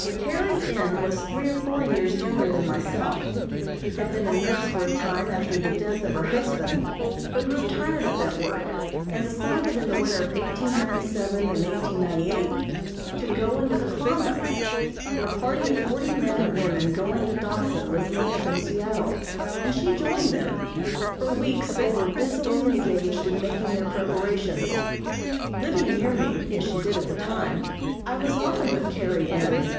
Carrie N. was three or four years younger than myself, had been a nurse for a time after the death of her husband, but grew tired of that work, and decided in the winter of 1897 and 1898 to go into the Klondyke. A party of forty men and women going to Dawson was made up in Seattle, and she joined them. For weeks they were busily engaged in making their preparations. Living near me, as she did at the time, I was often with Carrie N.